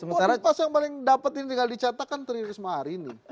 boarding pass yang paling dapat ini tinggal dicatakan terhias risma hari ini